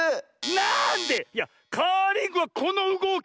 なんで⁉いやカーリングはこのうごき。